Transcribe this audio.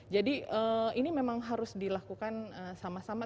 jadi ini memang harus dilakukan sama sama